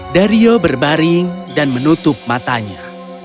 dario berbaring dan menutup matanya